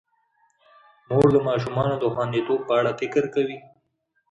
مور د ماشومانو د خوندیتوب په اړه فکر کوي.